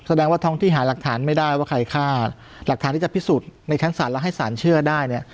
แสดงว่าท้องที่หาหลักฐานไม่ได้ว่าใครฆ่าหลักฐานที่จะพิสูจน์ในชั้นศาลแล้วให้สารเชื่อได้เนี่ย